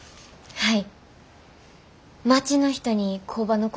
はい！